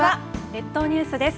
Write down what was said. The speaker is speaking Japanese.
列島ニュースです。